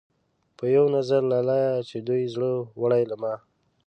پۀ يو نظر لاليه چې دې زړۀ وړے له ما